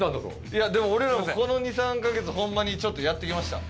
いやでも俺らもこの２３カ月ホンマにちょっとやってきました。